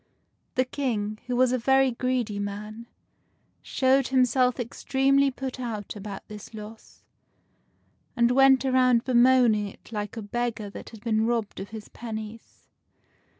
The King, who was a very greedy man, showed himself extremely put out about this loss, and went around bemoaning it like a beggar that had been robbed of his pennies.